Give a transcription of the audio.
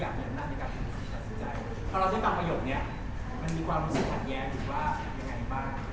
พอเราได้ตามประโยชน์เนี่ยมันมีความรู้สึกหันแย้งหรือว่ายังไงบ้าง